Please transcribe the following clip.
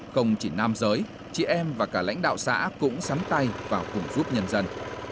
không chỉ nam giới chị em và cả lãnh đạo xã cũng sắm tay vào cùng giúp nhân dân